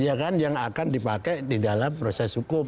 ya kan yang akan dipakai di dalam proses hukum